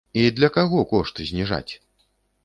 І для каго кошт зніжаць?